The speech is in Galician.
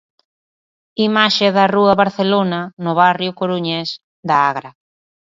Imaxe da rúa Barcelona, no barrio coruñés da Agra.